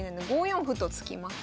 ５四歩と突きます。